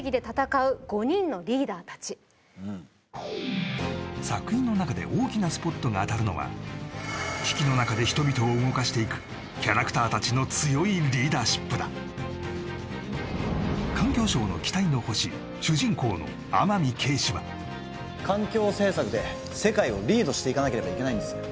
うん作品の中で大きなスポットが当たるのは危機の中で人々を動かしていくキャラクターたちの強いリーダーシップだ環境省の期待の星主人公の天海啓示は環境政策で世界をリードしていかなければいけないんです